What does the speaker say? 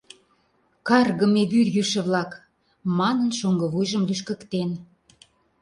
Каргыме вӱрйӱшӧ-влак! — манын, шоҥго вуйжым лӱшкыктен.